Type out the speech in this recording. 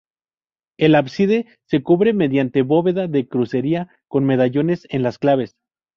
El ábside se cubre mediante bóveda de crucería con medallones en las claves.